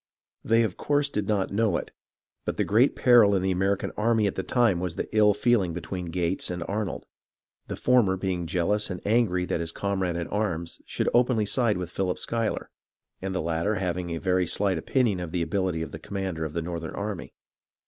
They of course did not know it, but the great peril in the American army at the time was the ill feeling between Gates and Arnold ; the former being jealous and angry that his comrade in arms should openly side with Philip Schuyler, and the latter having a very slight opinion of the ability of the commander of the northern army.